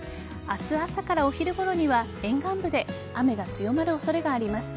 明日朝からお昼ごろには沿岸部で雨が強まる恐れがあります。